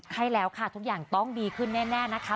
ให้แล้วค่ะทุกอย่างต้องดีขึ้นแน่นะคะ